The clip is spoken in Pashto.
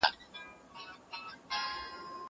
زه اوس د کتابتون کتابونه لوستل کوم!